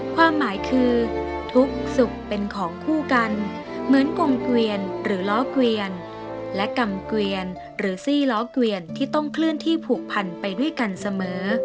ความหมายคือทุกข์สุขเป็นของคู่กันเหมือนกงเกวียนหรือล้อเกวียนและกำเกวียนหรือซี่ล้อเกวียนที่ต้องเคลื่อนที่ผูกพันไปด้วยกันเสมอ